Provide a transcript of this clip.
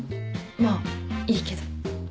まあいいけど。